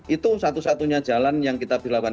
itu satu satunya jalan yang kita berlakukan